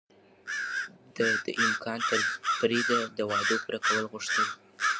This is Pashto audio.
ده د امکان تر بريده د وعدو پوره کول غوښتل.